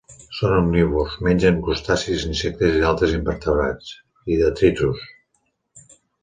Són omnívors: mengen crustacis, insectes i d'altres invertebrats, i detritus.